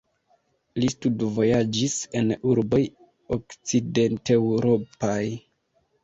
Li studvojaĝis en urboj okcidenteŭropaj.